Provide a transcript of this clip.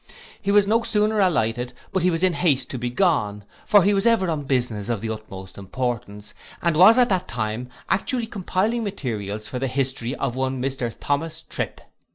He was no sooner alighted, but he was in haste to be gone; for he was ever on business of the utmost importance, and was at that time actually compiling materials for the history of one Mr Thomas Trip.